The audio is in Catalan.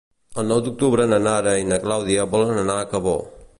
El nou d'octubre na Nara i na Clàudia volen anar a Cabó.